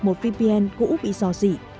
một vpn cũ bị dò dỉ